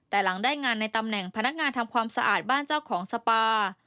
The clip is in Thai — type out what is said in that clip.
แต่หลังได้งานในตำแหน่งพนักงานทำความสะอาดบ้านเจ้าของสปา